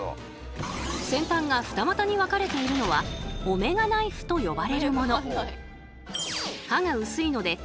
先端が二股に分かれているのは「オメガナイフ」と呼ばれるもの。